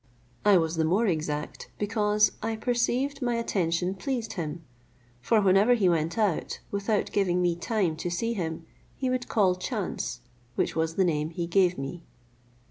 I was the more exact, because I perceived my attention pleased him; for whenever he went out, without giving me time to see him, he would call Chance, which was the name he gave me.